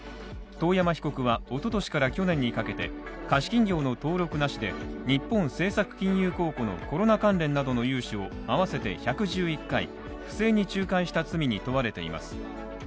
遠山被告はおととしから去年にかけて貸金業の登録なしで日本政策金融公庫のコロナ関連などの融資を合わせて１１１回不正に仲介した罪に問われています。